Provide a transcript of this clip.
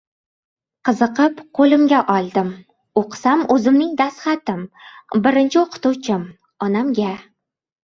Qiziqib qo‘limga oldim. o‘qisam, o‘zimning dastxatim: «Birinchi o‘qituvchim — onamga!»